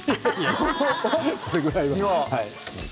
これぐらいは。